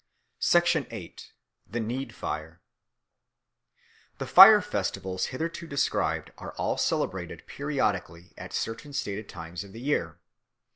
8. The Need fire THE FIRE FESTIVALS hitherto described are all celebrated periodically at certain stated times of the year.